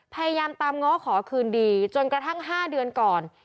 พยายามตามง้อขอคืนดีจนกระทั่ง๕เดือนก่อน